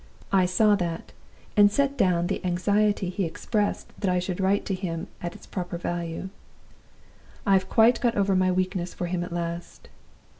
I saw that, and set down the anxiety he expressed that I should write to him at its proper value. I have quite got over my weakness for him at last.